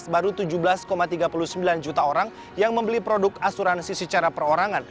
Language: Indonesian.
baru tujuh belas tiga puluh sembilan juta orang yang membeli produk asuransi secara perorangan